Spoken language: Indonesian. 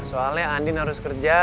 soalnya andi harus kerja